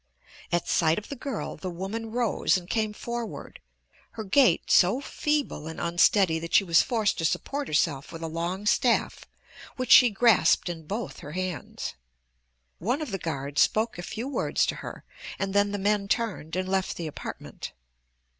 At sight of the girl the woman rose and came forward, her gait so feeble and unsteady that she was forced to support herself with a long staff which she grasped in both her hands. One of the guards spoke a few words to her and then the men turned and left the apartment.